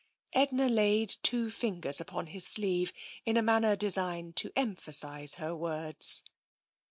Edna laid two fingers upon his sleeve in a manner designed to emphasise her words.